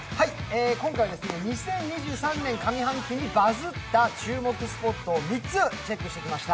今回は２０２３年上半期にバズった注目スポットを３つチェックしてきました。